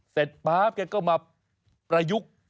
เสร็จปราบแกก็มาประยุกต์